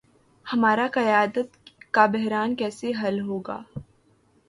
ہمارا قیادت کا بحران کیسے حل ہو گا۔